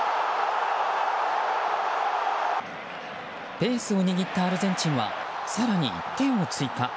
ペースを握ったアルゼンチンは更に１点を追加。